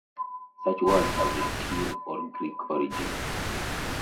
Such words have Latin or Greek origin.